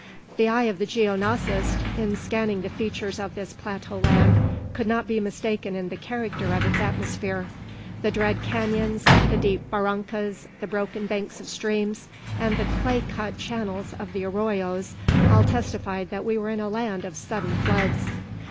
The eye of the geognosist, in scanning the features of this plateau land, could not be mistaken in the character of its atmosphere. The dread canons, the deep barrancas, the broken banks of streams, and the clay cut channels of the arroyos, all testified that we were in a land of sudden floods.